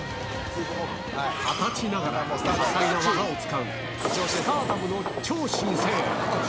２０歳ながら、多彩な技を使うスターダムの超新星。